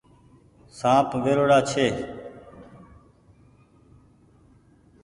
سآنپ وٺو ڙآ ڇي۔